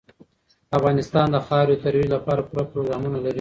افغانستان د خاورې د ترویج لپاره پوره پروګرامونه لري.